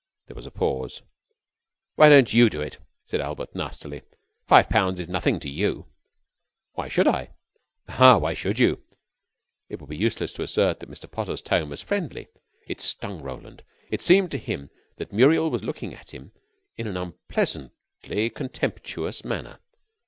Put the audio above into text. There was a pause. "Why don't you do it." said Albert, nastily. "Five pounds is nothing to you." "Why should I?" "Ah! Why should you?" It would be useless to assert that Mr. Potter's tone was friendly. It stung Roland. It seemed to him that Muriel was looking at him in an unpleasantly contemptuous manner.